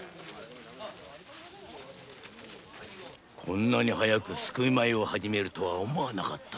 こんなに早く救い米を始めるとは思わなかったな。